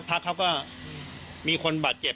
พักเขาก็มีคนบาดเจ็บ